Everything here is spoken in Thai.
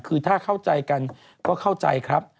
คือถ้าเข้าใจกันก็เข้าใจครับ